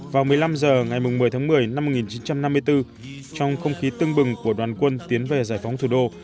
vào một mươi năm h ngày một mươi tháng một mươi năm một nghìn chín trăm năm mươi bốn trong không khí tưng bừng của đoàn quân tiến về giải phóng thủ đô